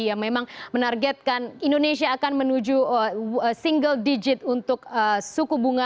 yang memang menargetkan indonesia akan menuju single digit untuk suku bunga